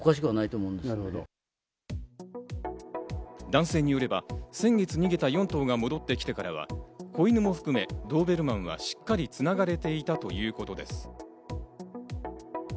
男性によれば先月逃げた４頭が戻ってきてからは、子犬も含め、ドーベルマンはしっかりと繋がれていたということです。